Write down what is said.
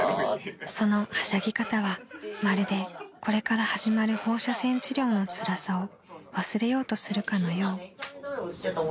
［そのはしゃぎ方はまるでこれから始まる放射線治療のつらさを忘れようとするかのよう］